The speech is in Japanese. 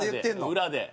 裏で。